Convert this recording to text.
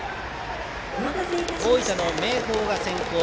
大分の明豊が先攻。